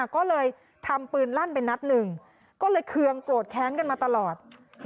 ก็เลยทำปืนลั่นไปนัดหนึ่งก็เลยเคืองโกรธแค้นกันมาตลอด